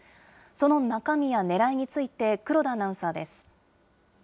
その中身やねらいについて、黒田アナウンサーです。